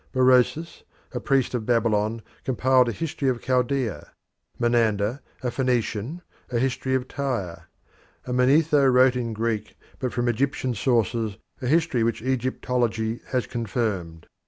Berosus, a priest of Babylon, compiled a history of Chaldea; Menander, and Phoenician, a history of Tyre; and Manetho wrote in Greek, but from Egyptian sources, a history which Egyptology has confirmed.